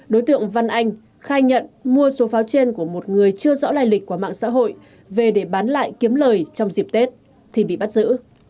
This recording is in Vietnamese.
đối tượng văn anh khai nhận mua số pháo trên của một người chưa rõ lai lịch qua mạng xã hội về để bán lại kiếm lời trong dịp tết thì bị bắt giữ